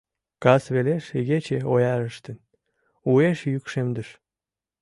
Кас велеш игече оярештын, уэш йӱкшемдыш.